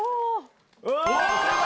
正解！